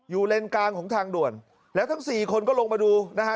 เลนกลางของทางด่วนแล้วทั้งสี่คนก็ลงมาดูนะฮะ